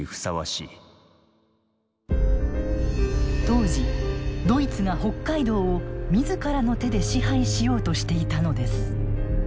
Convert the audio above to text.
当時ドイツが北海道を自らの手で支配しようとしていたのです。